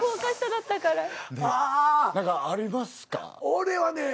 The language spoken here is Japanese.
俺はね